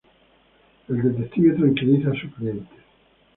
El detective tranquiliza a su cliente.